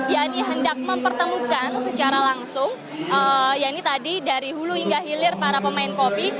yang dihendak mempertemukan secara langsung ya ini tadi dari hulu hingga hilir para pemain kopi